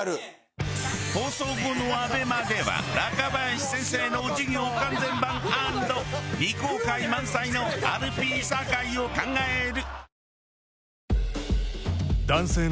放送後のＡＢＥＭＡでは若林先生の授業完全版＆未公開満載の「アルピー酒井を考える」。